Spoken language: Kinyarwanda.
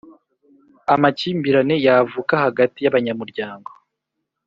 Amakimbirane yavuka hagati y abanyamuryango